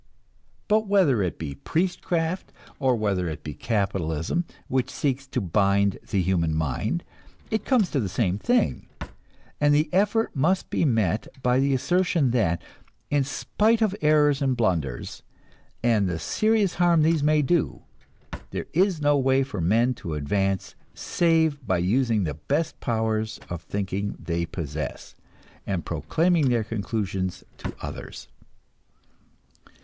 But whether it be priestcraft or whether it be capitalism which seeks to bind the human mind, it comes to the same thing, and the effort must be met by the assertion that, in spite of errors and blunders, and the serious harm these may do, there is no way for men to advance save by using the best powers of thinking they possess, and proclaiming their conclusions to others.